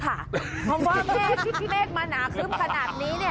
เพราะว่าเมฆที่พี่เมฆมาหนาครึ้มขนาดนี้